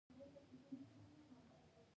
په افغانستان کې د پسونو د روزنې منابع شته.